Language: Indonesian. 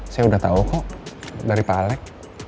saya udah tahu kok dari pak alek